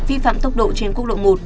vi phạm tốc độ trên quốc lộ một